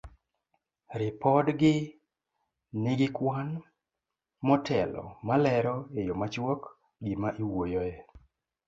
Ripodgi ni gi kwan motelo malero e yo machuok gima iwuoyoe.